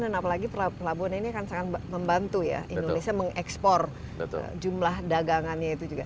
dan apalagi pelabuhan ini akan sangat membantu ya indonesia mengekspor jumlah dagangannya itu juga